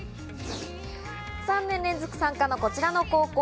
３年連続参加のこちらの高校。